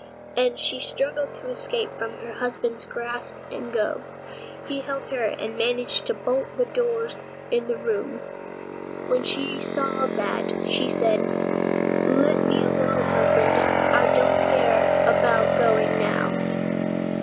And she struggled to escape from her husband's grasp and go. He held her fast and managed to bolt all the doors in the room. When she saw that, she said: "Let me alone, husband, I don't care about going now."